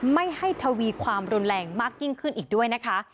ไม่ให้ทวีความรุนแรงมากยิ่งขึ้นอีกด้วยนะคะ